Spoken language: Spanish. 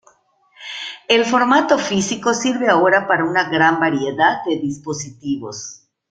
El formato físico sirve ahora para una gran variedad de dispositivos.